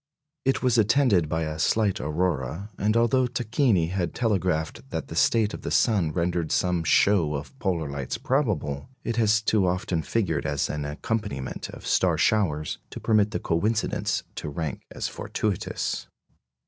It was attended by a slight aurora, and although Tacchini had telegraphed that the state of the sun rendered some show of polar lights probable, it has too often figured as an accompaniment of star showers to permit the coincidence to rank as fortuitous.